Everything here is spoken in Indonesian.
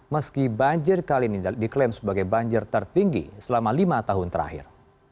meski banjir kali ini diklaim sebagai banjir tertinggi selama lima tahun terakhir